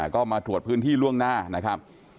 ก็มาถวดพื้นที่ล่วงหน้า